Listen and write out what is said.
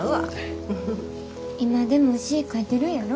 今でも詩ぃ書いてるんやろ？